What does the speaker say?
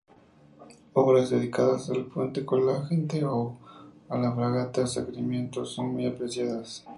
Obras dedicadas al puente colgante o a la fragata "Sarmiento" son muy apreciadas.